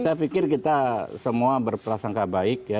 saya pikir kita semua berprasangka baik ya